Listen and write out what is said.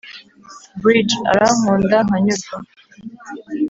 bridge: arankunda nkanyurwa